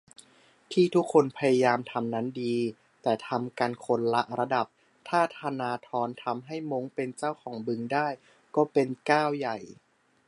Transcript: ที่ทุกคนพยายามทำนั้นดี แค่ทำกันคนละระดับ ถ้าธนาธรทำให้ม้งเป็นเจ้าของบึงได้ ก็เป็นก้าวใหญ่